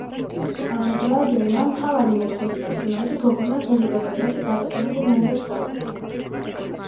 დრაიზერმა მთავარი მოქმედი პერსონაჟი გოგონა საზოგადოებაში გაბატონებულ ნორმებს დაუპირისპირა.